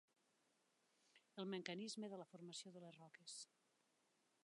El mecanisme de la formació de les roques.